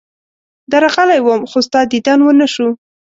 درغلی وم، خو ستا دیدن ونه شو.